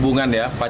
yang keras pak